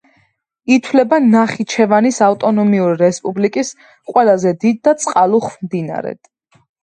ითვლება ნახიჩევანის ავტონომიური რესპუბლიკის ყველაზე დიდ და წყალუხვ მდინარედ.